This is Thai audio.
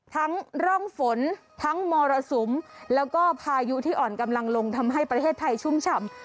ทั้งร่องฝนทั้งมรสุมแล้วก็พายุที่อ่อนกำลังลงทำให้ประเทศไทยชุ่มฉ่ำ